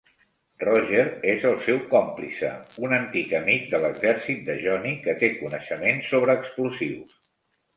Roger és el seu còmplice, un antic amic de l'exèrcit de Johnny que té coneixement sobre explosius.